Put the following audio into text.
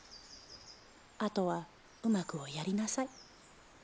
あとはうまくおやりなさい。